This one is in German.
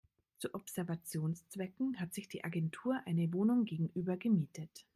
Zu Observationszwecken hat sich die Agentur eine Wohnung gegenüber gemietet.